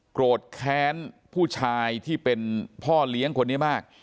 โกรธแค้นผู้ชายที่เป็นพ่อเลี้ยงคนนี้มาก